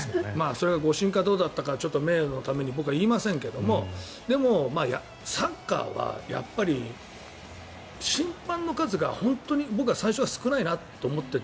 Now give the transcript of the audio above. それは誤審かどうだったかは名誉のために僕は言いませんがでも、サッカーはやっぱり審判の数が本当に僕は最初は少ないなと思ってて。